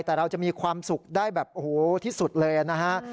แต่เราจะมีความสุขได้แบบโอ้โหที่สุดเลยนะฮะ